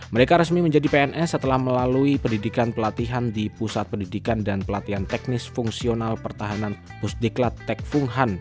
mereka resmi menjadi pns setelah melalui pendidikan pelatihan di pusat pendidikan dan pelatihan teknis fungsional pertahanan pusdiklat tek funghan